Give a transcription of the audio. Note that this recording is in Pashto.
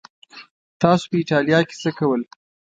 تاسو په ایټالیا کې څه کول؟